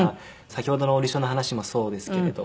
先ほどのオーディションの話もそうですけれど。